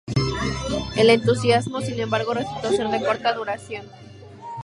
El entusiasmo, sin embargo, resultó ser de corta duración.